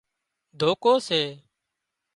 ڌوڪو سي